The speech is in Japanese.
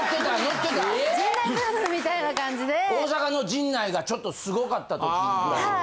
大阪の陣内がちょっとすごかった時ぐらい。